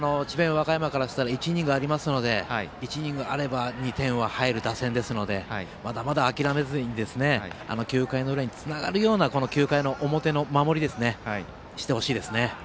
和歌山からしたら１イニングありますので１イニングあれば２点は入る打線ですのでまだまだ諦めずに９回の裏につながるような９回の表の守りにしてほしいですね。